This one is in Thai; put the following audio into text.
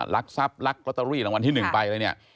ลักทรัพย์ลักลอตเตอรี่รางวัลที่๑ไปอะไรเนี่ย